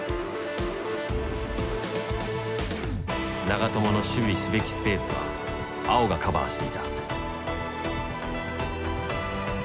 長友の守備すべきスペースは碧がカバーしていた。